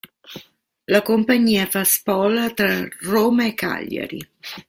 La compagnia fa spola fra Roma e Cagliari.